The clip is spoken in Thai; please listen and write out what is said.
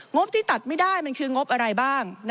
บที่ตัดไม่ได้มันคืองบอะไรบ้าง